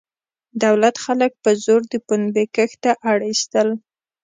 دولت خلک په زور د پنبې کښت ته اړ ایستل.